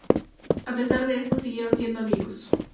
A pesar de esto, siguieron siendo amigos.